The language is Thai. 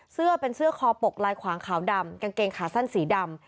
เสื้อเป็นเสื้อคอปกลายขวางขาวดำกางเกงขาสั้นสีดำ